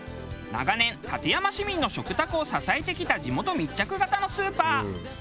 長年館山市民の食卓を支えてきた地元密着型のスーパー。